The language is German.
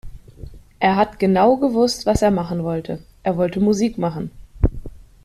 Er hat genau gewusst was er machen wollte. Er wollte Musik machen.